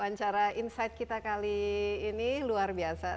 wawancara insight kita kali ini luar biasa